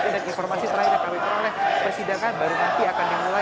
dan informasi terakhir yang kami peroleh persidangan baru nanti akan dimulai